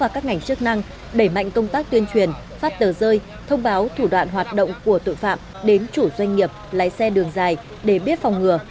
các ngành chức năng đẩy mạnh công tác tuyên truyền phát tờ rơi thông báo thủ đoạn hoạt động của tội phạm đến chủ doanh nghiệp lái xe đường dài để biết phòng ngừa